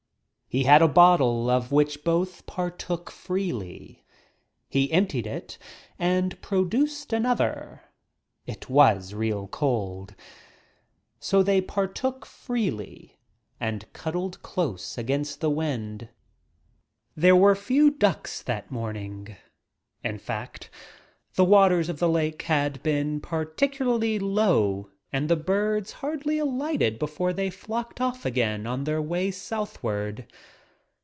He had a bottle of which both par took freely. He emptied it and produced another. It was real cold. So they partook freely — and cud dled close against the wind. There were few ducks that morning. In fact, waters of the lake had been particularly low and the birds hardly alighted before they flocked DUCK BLINDS 23 off again on their way southward.